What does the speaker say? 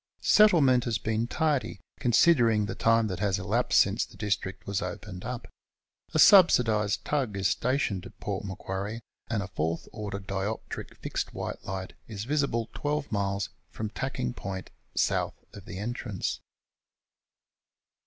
Settlement has been tardy, considering the time that has elapsed since the district was opened up. A subsidised tug is stationed at Port Macquarie, and a fourth order dioptric fixed white light is visible 12 miles from Tacking Point, S. of the entrance.